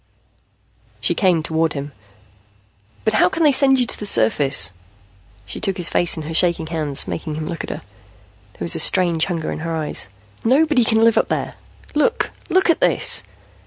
She came toward him. "But how can they send you to the surface?" She took his face in her shaking hands, making him look at her. There was a strange hunger in her eyes. "Nobody can live up there. Look, look at this!"